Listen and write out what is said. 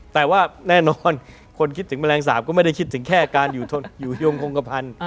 แต่ว่าแน่นอนคนคิดถึงแมลงสาปก็ไม่ได้คิดถึงแค่การอยู่โยงโครงกระพันธุ